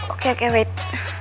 oke oke tunggu